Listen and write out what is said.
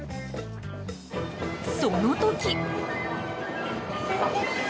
その時。